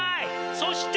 そして！